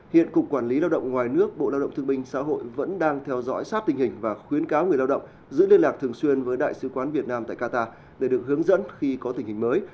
hiện cục quản lý lao động ngoài nước bộ lao động thương binh xã hội vẫn đang theo dõi sát tình hình và khuyến cáo người lao động giữ liên lạc thường xuyên với đại sứ quán việt nam tại qatar để được hướng dẫn khi có tình hình mới